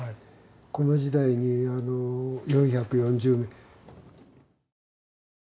この時代に４４０名。